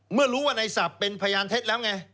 เมื่อรู้ว่าในศัพท์เป็นพยานเท็จแล้วไง